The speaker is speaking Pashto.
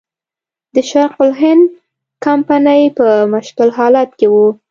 د شرق الهند کمپنۍ په مشکل حالت کې وه.